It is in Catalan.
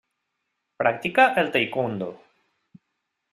Practica el taekwondo.